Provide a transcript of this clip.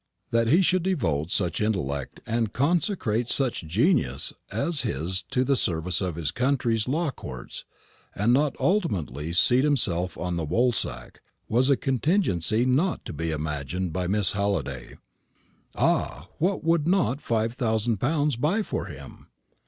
That he should devote such intellect and consecrate such genius as his to the service of his country's law courts, and not ultimately seat himself on the Woolsack, was a contingency not to be imagined by Miss Halliday. Ah, what would not five thousand pounds buy for him!